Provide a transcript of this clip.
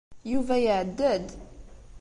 Yuba iɛedda-d.